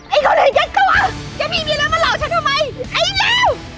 ไอ้คนเห็นเก็บตัวยังไม่มีเงินมาหลอกฉันทำไมไอ้เหลว